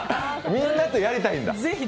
みんなとやりたいんだ。